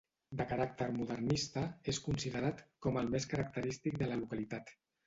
De caràcter modernista, és considerat com el més característic de la localitat.